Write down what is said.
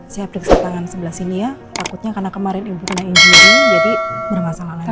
saya periksa tangan sebelah sini ya takutnya karena kemarin ibunya ibu jadi bermasalah lagi